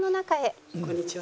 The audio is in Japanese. こんにちは。